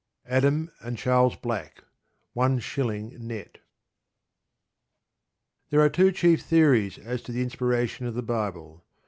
Adam and Charles Black; 1s net. There are two chief theories as to the inspiration of the Bible.